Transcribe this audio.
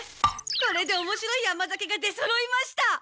これでおもしろい甘酒が出そろいました！